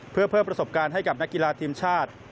เพื่อเพิ่มประสบการณ์ให้กับนักกีฬาทีมชาติ